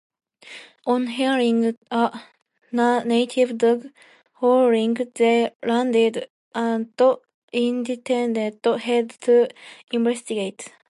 On hearing a native dog howling, they landed at Indented Head to Investigate.